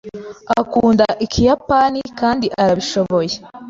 Akunda Ikiyapani, kandi arabishoboye.